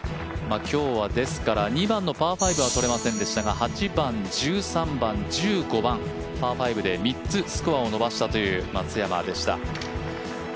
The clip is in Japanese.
今日は２番のパー５は取れませんでしたが８番、１３番、１５番パー５で、３つスコアを伸ばしたという松山でした。